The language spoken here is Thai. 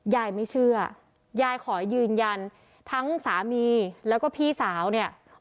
ยายไม่เชื่อยายขอยืนยันทั้งสามีแล้วก็พี่สาวเนี่ย